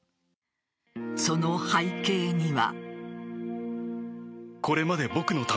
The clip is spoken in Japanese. その背景には。